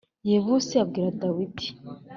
Yebusi abwira Dawidi .